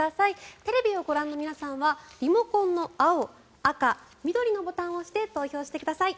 テレビをご覧の皆さんはリモコンの青、赤、緑のボタンを押して投票してください。